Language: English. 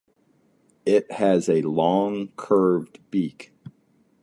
It has a long, curved beak.